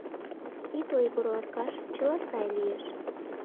Ит ойгыро, Аркаш, чыла сай лиеш.